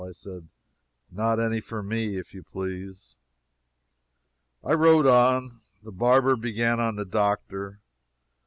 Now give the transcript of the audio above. I said "Not any for me, if you please." I wrote on. The barber began on the doctor.